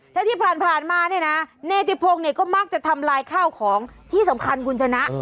แล้วที่ผ่านมาเนติพงก็มักจะทำร้ายข้าวของที่สำคัญกุญชนะ